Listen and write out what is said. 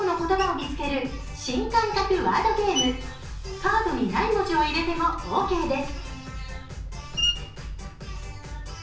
カードにない文字を入れてもオーケーです。